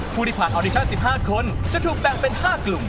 ผู้ที่ผ่านออดิชั่น๑๕คนจะถูกแบ่งเป็น๕กลุ่ม